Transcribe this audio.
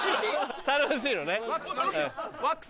楽しいのね？